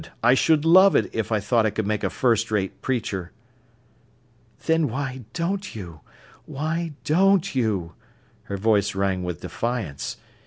I should love it, if I thought I could make a first rate preacher." "Then why don't you—why don't you?" Her voice rang with defiance.